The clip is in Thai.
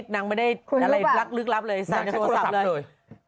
นางไม่ได้อะไรลักลึกลับเลยสั่งโทรศัพท์เลย